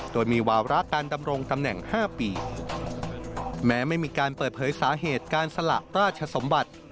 โดยมีวาระการดำรงตำแหน่ง๕ปีแม้ไม่มีการเปิดเผยสาเหตุการสละราชสมบัติ